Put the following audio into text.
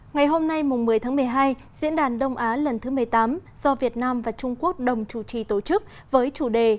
ngày hôm nay một mươi tháng một mươi hai diễn đàn đông á lần thứ một mươi tám do việt nam và trung quốc đồng chủ trì tổ chức với chủ đề